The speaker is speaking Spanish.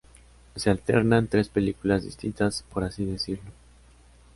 Se alternan tres películas distintas, por así decirlo.